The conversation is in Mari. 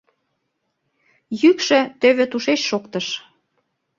— Йӱкшӧ тӧвӧ тушеч шоктыш.